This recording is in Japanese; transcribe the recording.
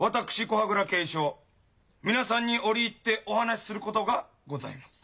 古波蔵恵尚皆さんに折り入ってお話することがございます。